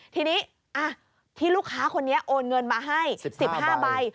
ทีนี้ที่ลูกค้าคนนี้โอนเงินมาให้๑๕ใบ